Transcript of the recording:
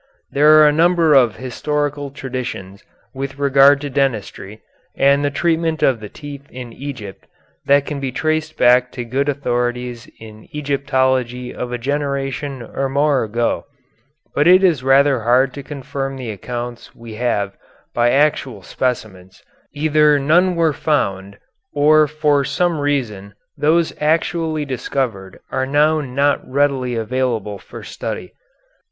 There are a number of historical traditions with regard to dentistry and the treatment of the teeth in Egypt that can be traced back to good authorities in Egyptology of a generation or more ago, but it is rather hard to confirm the accounts we have by actual specimens; either none were found or for some reason those actually discovered are now not readily available for study.